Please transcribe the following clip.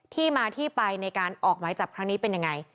ที่มาที่ไปในการออกหมายจับครั้งนี้เป็นยังไง